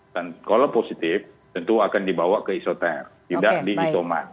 dan kalau positif tentu akan dibawa ke isoter tidak di isoman